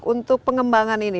untuk pengembangan ini